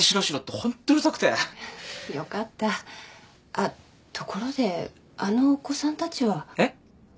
あっところであのお子さんたちは。えっ？